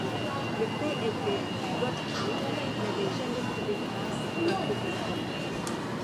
Le fait est que Godfrey n’avait jamais trouvé trace d’un feu quelconque.